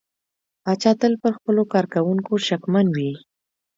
پاچا تل پر خپلو کارکوونکو شکمن وي .